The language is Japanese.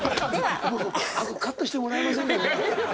カットしてもらえませんかね。